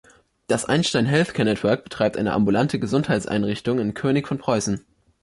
Das Einstein Healthcare Network betreibt eine ambulante Gesundheitseinrichtung in König von Preußen.